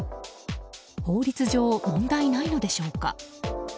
法律上、問題ないのでしょうか。